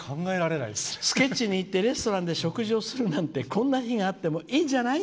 「スケッチに行ってレストランに食事に行ってこんな日があってもいいんじゃない？